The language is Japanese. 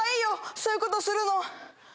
そういうことするのは。